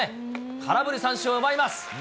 空振り三振を奪います。